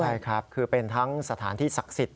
ใช่ครับคือเป็นทั้งสถานที่ศักดิ์สิทธิ